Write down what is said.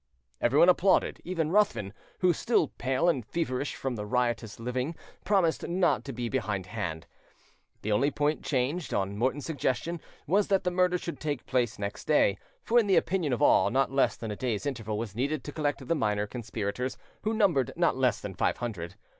Everyone applauded, even Ruthven, who, still pale and feverish from riotous living, promised not to be behindhand. The only point changed, on Morton's suggestion, was that the murder should take place next day; for, in the opinion of all, not less than a day's interval was needed to collect the minor conspirators, who numbered not less than five hundred.